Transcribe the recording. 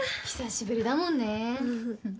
久しぶりだもんね。